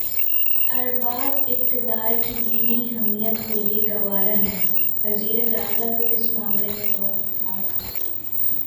ارباب اقتدارکی دینی حمیت کو یہ گوارا نہیں وزیر داخلہ تو اس معاملے میں بہت حساس ہیں۔